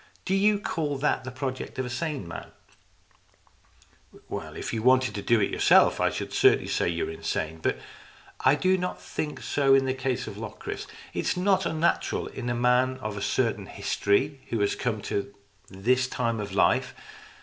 Do you call that the project of a sane man ?" "If you wanted to do it yourself I should cer tainly say you were insane. But I do not think so in the case of Locris. It is not unnatural in a man of a certain history who has come to his time of life.